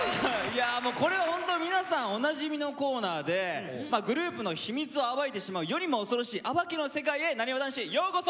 これはホント皆さんおなじみのコーナーでグループの秘密をあばいてしまう世にも恐ろしいあばきの世界へなにわ男子ようこそ！